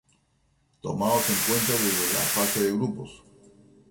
Tomados en cuenta desde la Fase de Grupos.